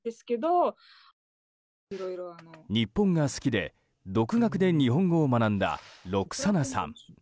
日本が好きで、独学で日本語を学んだロクサナさん。